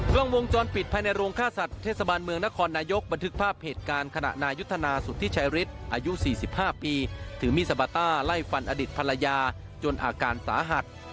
กล้องวงจรปิดภายในโรงฆ่าสัตว์เทศบาลเมืองนครนายกบันทึกภาพเหตุการณ์ขณะนายุทธนาสุธิชายฤทธิ์อายุ๔๕ปีถือมีดสปาต้าไล่ฟันอดิษฐภรรยาจนอาการสาหัส